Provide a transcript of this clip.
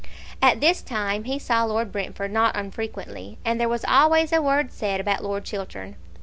At this time he saw Lord Brentford not unfrequently, and there was always a word said about Lord Chiltern.